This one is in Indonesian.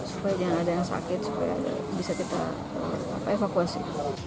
supaya jangan ada yang sakit supaya bisa kita evakuasi